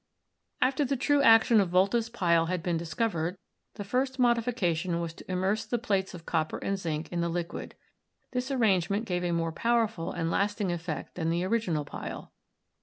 After the true action of Volta's pile had been discov ered, the first modification was to immerse the plates of copper and zinc in the liquid. This arrangement gave a more powerful and lasting effect than the original pile.